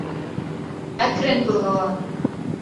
Әкрен ҡуҙғала.